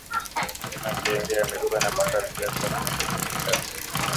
Magenge yamekuwa na makazi yao kwa miongo mingi hapo